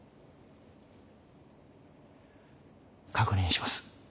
確認します。